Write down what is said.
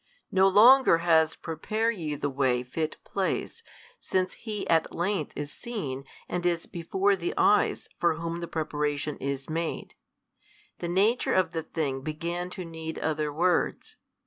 No longer has prepare ye the way fit place, since He at length is seen and is before the eyes for Whom the preparation is made: the nature of the thing began to need other words.